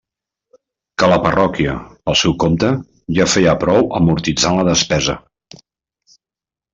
Que la parròquia, pel seu compte, ja feia prou amortitzant la despesa.